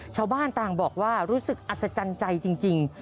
ชาวบ้านต่างบอกว่ารู้สึกอัศจรรย์ใจจริง